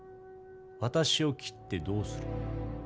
私を斬ってどうする？